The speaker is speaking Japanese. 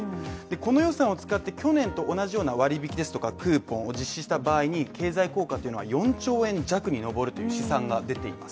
この予算を使って去年と同じような割引ですとか、クーポンを実施した場合に、経済効果というのは４兆円弱に上るという試算が出ています。